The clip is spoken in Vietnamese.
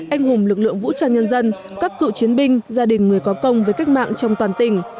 anh hùng lực lượng vũ trang nhân dân các cựu chiến binh gia đình người có công với cách mạng trong toàn tỉnh